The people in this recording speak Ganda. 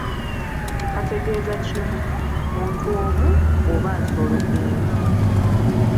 Kategeeza kimu, muntu omu oba nsolo emu.